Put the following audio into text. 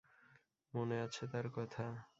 মনে আছে তার কথা?